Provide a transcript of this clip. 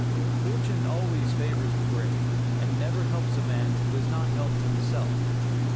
Fortune always favors the brave, and never helps a man who does not help himself.